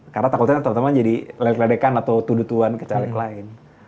karena takutnya temen temen jadi lelik lelekan atau tudutuan ke caleg lain